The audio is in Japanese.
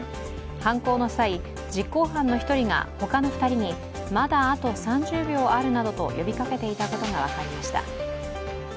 犯行の際、実行犯の１人がほかの２人に、まだあと３０秒あるなどと呼びかけていたことが分かりました。